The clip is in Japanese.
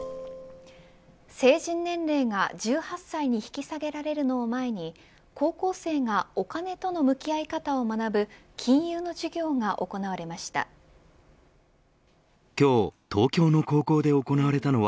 成人年齢が１８歳に引き下げられるのを前に高校生がお金との向き合い方を学ぶ金融の授業が行われました。